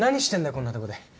こんなとこで。